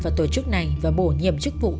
vào tổ chức này và bổ nhiệm chức vụ